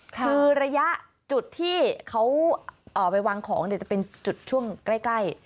คือระยะจุดที่เขาไปวางของจะเป็นจุดช่วงใกล้